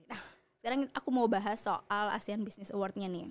nah sekarang aku mau bahas soal asean business awardnya nih